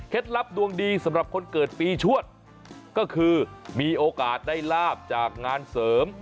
ลับดวงดีสำหรับคนเกิดปีชวดก็คือมีโอกาสได้ลาบจากงานเสริม